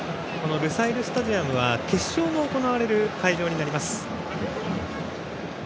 ルサイルスタジアムは決勝が行われる会場になります。